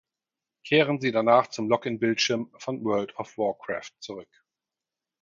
Kehren Sie danach zum Login-Bildschirm von World of Warcraft zurück.